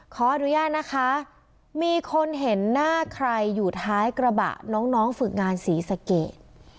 ขออนุญาตนะคะมีคนเห็นหน้าใครอยู่ท้ายกระบะน้องฝึกงานศรีสะเกด